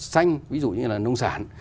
xanh ví dụ như là nông sản